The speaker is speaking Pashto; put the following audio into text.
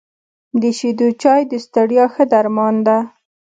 د شيدو چای د ستړیا ښه درمان ده .